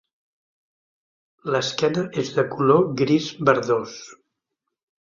L'esquena és de color gris verdós.